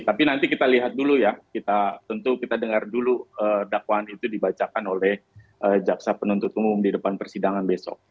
tapi nanti kita lihat dulu ya tentu kita dengar dulu dakwaan itu dibacakan oleh jaksa penuntut umum di depan persidangan besok